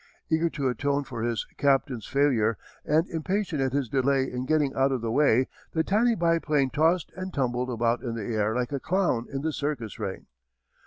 Eager to atone for his copain's failure, and impatient at his delay in getting out of the way, the tiny biplane tossed and tumbled about in the air like a clown in the circus ring.